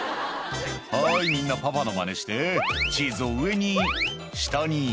「はいみんなパパのマネしてチーズを上に下に」